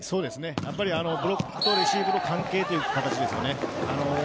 やっぱりブロックとレシーブの関係という形ですよね。